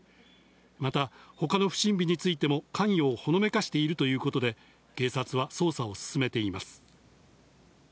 またほかの不審火についても、関与をほのめかしているということで、警察は捜査を進めています。